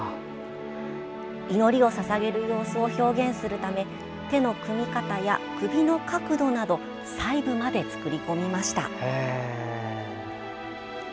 祈りをささげる様子を表現するため手の組み方や首の角度など細部まで作り込みました。